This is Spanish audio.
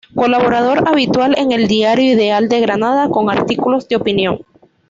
Colaborador habitual en el diario "Ideal de Granada" con artículos de opinión.